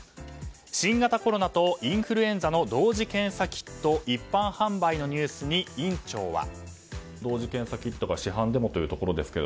新型コロナとインフルエンザの同時検査キット一般販売のニュースに院長は。